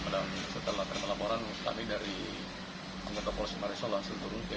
dan setelah terima laporan kami dari anggota polsek mariso langsung turun ke